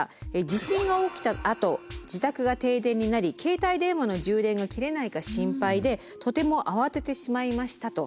地震が起きたあと自宅が停電になり携帯電話の充電が切れないか心配でとても慌ててしまいましたと。